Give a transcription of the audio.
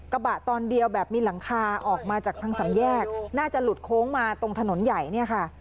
ตอนเดียวแบบมีหลังคาออกมาจากทางสามแยกน่าจะหลุดโค้งมาตรงถนนใหญ่เนี่ยค่ะ